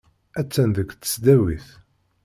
Attan deg tesdawit.